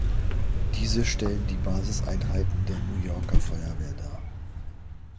Diese stellen die Basiseinheiten der New Yorker Feuerwehr dar.